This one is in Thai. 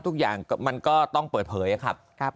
ทุกอย่างมันก็ต้องเปิดเผยครับ